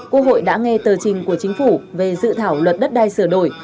quốc hội đã nghe tờ trình của chính phủ về dự thảo luật đất đai sửa đổi